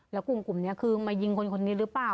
แล้วกลุ่มเนี่ยคือมันมายิงคนนี้หรือเปล่า